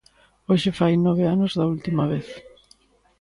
Hoxe fai nove anos da última vez.